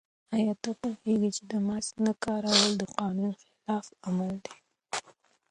آیا پوهېږئ چې د ماسک نه کارول د قانون خلاف عمل دی؟